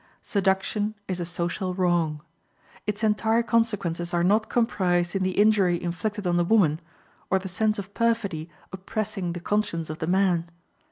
Seduction is a social wrong. Its entire consequences are not comprised in the injury inflicted on the woman, or the sense of perfidy oppressing the conscience of the man.